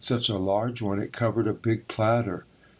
Such a large one it covered a big platter.